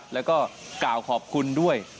แล้วก็กล่าวขอบคุณด้วย